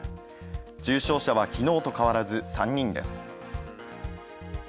重症者は昨日と変わらず３人です。